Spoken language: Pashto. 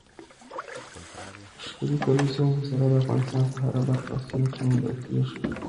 ښکلې کلیزو منظره د افغانستان په هره برخه او سیمه کې موندل کېږي.